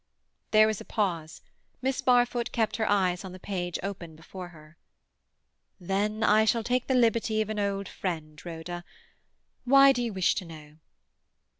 There was a pause. Miss Barfoot kept her eyes on the page open before her. "Then I shall take the liberty of an old friend, Rhoda. Why do you wish to know?"